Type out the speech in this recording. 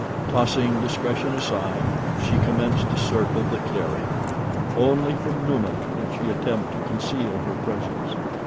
Tossing discretion aside, she commenced to circle the clearing. Only from Numa did she attempt to conceal her presence.